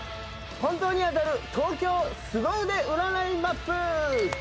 「本当に当たる東京すご腕占いマップ」！